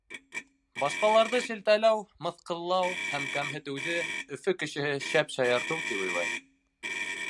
Башҡаларҙы шелтәләү, мыҫҡыллау һәм кәмһетеүҙе Өфө кешеһе шәп шаяртыу тип уйлай.